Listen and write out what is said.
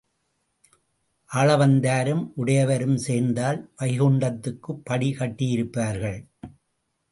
ஆளவந்தாரும் உடையவரும் சேர்ந்தால் வைகுண்டத்துக்குப் படி கட்டியிருப்பார்கள்.